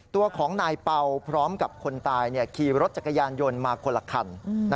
ตัวของนายเป่าพร้อมกับคนตายขี่รถจักรยานยนต์มาคนละคัน